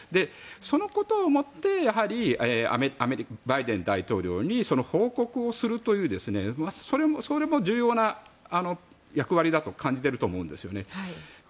そのことをもってバイデン大統領にその報告をするというそれも重要な役割だと感じていると思うんですよね。